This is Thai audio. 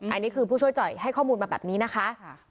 อันนี้คือผู้ช่วยจ่อยให้ข้อมูลมาแบบนี้นะคะ